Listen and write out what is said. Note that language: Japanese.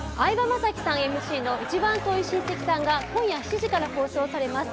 相葉雅紀さんがＭＣの一番遠い親戚さんが今夜７時から放送されます。